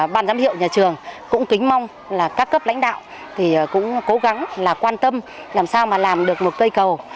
ban giám hiệu nhà trường cũng kính mong là các cấp lãnh đạo thì cũng cố gắng là quan tâm làm sao mà làm được một cây cầu